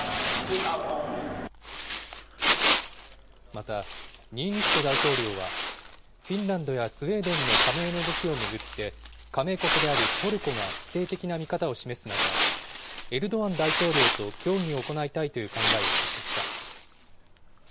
また、ニーニスト大統領は、フィンランドやスウェーデンの加盟の動きを巡って、加盟国であるトルコが否定的な見方を示す中、エルドアン大統領と協議を行いたいという考えを示しました。